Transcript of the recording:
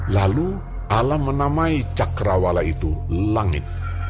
lalu alam menamai cakrawala itu langit